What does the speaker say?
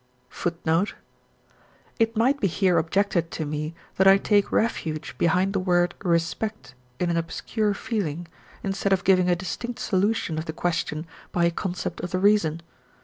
It might be here objected to me that I take refuge behind the word respect in an obscure feeling, instead of giving a distinct solution of the question by a concept of the reason.